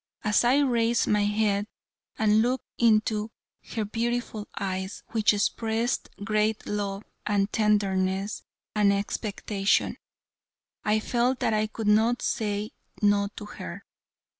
As I raised my head and looked into her beautiful eyes, which expressed great love, and tenderness, and expectation, I felt that I could not say no to her.